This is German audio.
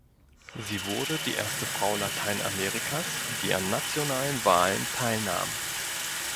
Sie wurde die erste Frau Lateinamerikas, die an nationalen Wahlen teilnahm.